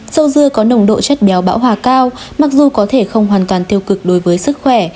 sâu dưa có nồng độ chất béo bão hòa cao mặc dù có thể không hoàn toàn tiêu cực đối với sức khỏe